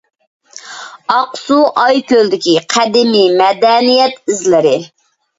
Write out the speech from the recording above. ئاقسۇ ئايكۆلدىكى قەدىمكى مەدەنىيەت ئىزلىرى.